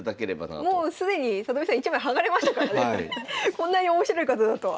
こんなに面白い方だとは。